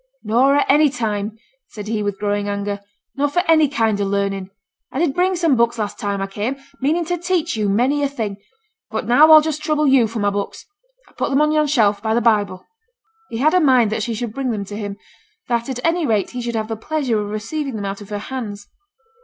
'Nor at any time,' said he, with growing anger; 'nor for any kind of learning. I did bring some books last time I came, meaning to teach you many a thing but now I'll just trouble you for my books; I put them on yon shelf by the Bible.' He had a mind that she should bring them to him; that, at any rate, he should have the pleasure of receiving them out of her hands.